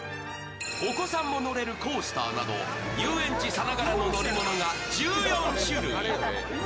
お子さんも乗れるコースターなど遊園地さながらの乗り物が１４種類。